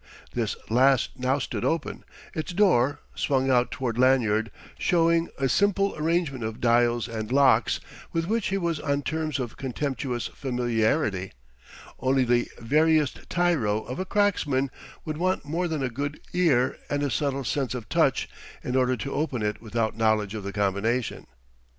This last now stood open, its door, swung out toward Lanyard, showing a simple arrangement of dials and locks with which he was on terms of contemptuous familiarity; only the veriest tyro of a cracksman would want more than a good ear and a subtle sense of touch in order to open it without knowledge of the combination.